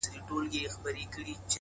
وګړي ډېر سول د نیکه دعا قبوله سوله!